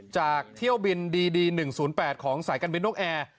จากเที่ยวบินดีดีหนึ่งศูนย์แปดของสายการบินนกแอร์